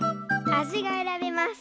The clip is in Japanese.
あじがえらべます。